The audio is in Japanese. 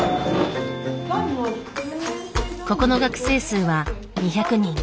ここの学生数は２００人。